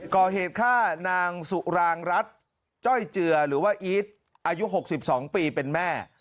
ก่อเหตุฆ่านางสุรางรัฐจ้อยเจือหรือว่าอีทอายุ๖๒ปีเป็นแม่